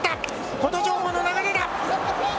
琴勝峰の流れだ。